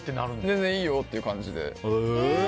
全然いいよって感じで。